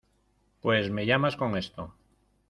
pues me llamas con esto.